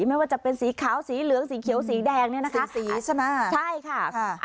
ไม่ว่าจะเป็นสีขาวสีเหลืองสีเขียวสีแดงเนี่ยนะคะสีใช่ไหมใช่ค่ะ